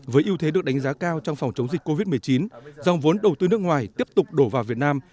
với ưu thế được đánh giá cao trong phòng chống dịch covid một mươi chín dòng vốn đầu tư nước ngoài tiếp tục đổ vào việt nam